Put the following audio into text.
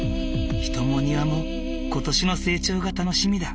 人も庭も今年の成長が楽しみだ。